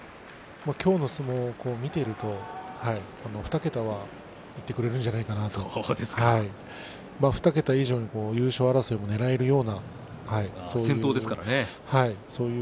今日の相撲を見ていると２桁はいってくれるんじゃないかなと２桁以上に優勝争いをねらえるような。